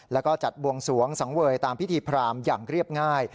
แล้วก็จัดบวงสวงสังเวยตามพิธีพรามอย่างเรียบง่าย